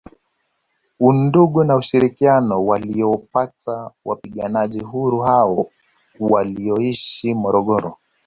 Undugu na ushirikiano waliowapa wapigania Uhuru hao walioishi Morogoro